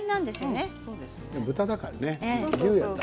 豚だからね。